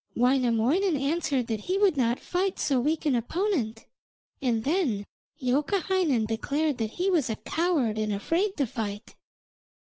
Wainamoinen answered that he would not fight so weak an opponent, and then Youkahainen declared that he was a coward and afraid to fight.